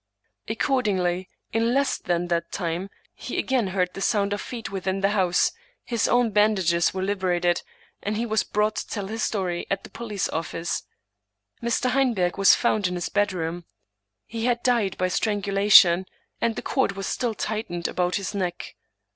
Accordingly, in less than that time, he again heard the sound of feet within the house, his own bandages were liberated, and he was brought to tell his story at the police oSice. Mr. Heinberg was found in his bed room. He had died by strangulation, and the cord was still tightened about his neck.